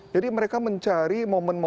jadi mereka mencari momennya ya kan